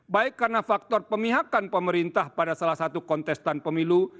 baik karena faktor pemihakan pemerintah pada salah satu kontestan pemilu